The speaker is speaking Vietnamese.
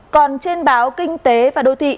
còn trên báo kinh tế và đô thị